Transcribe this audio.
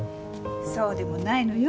そうでもないのよ。